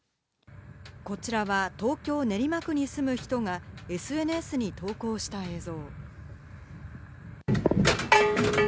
こちらは東京・練馬区に住む人がＳＮＳに投稿した映像。